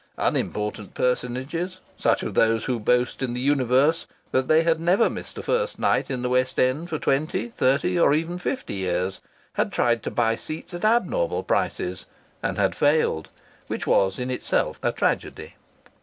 Unimportant personages such as those whose boast in the universe was that they had never missed a first night in the West End for twenty, thirty, or even fifty years had tried to buy seats at abnormal prices, and had failed: which was in itself a tragedy.